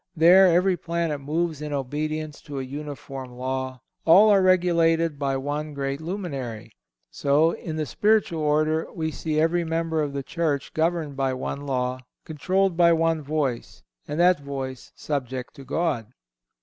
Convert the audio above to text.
There every planet moves in obedience to a uniform law, all are regulated by one great luminary. So, in the spiritual order, we see every member of the Church governed by one law, controlled by one voice, and that voice subject to God.